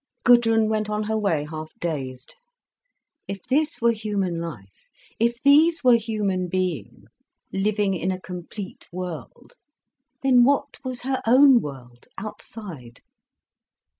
Gudrun went on her way half dazed. If this were human life, if these were human beings, living in a complete world, then what was her own world, outside?